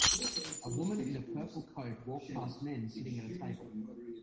A woman in a purple coat walk past men sitting at a table.